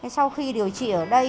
sau khi điều trị ở đây